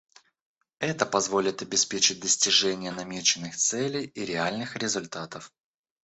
Это позволит обеспечить достижение намеченных целей и реальных результатов.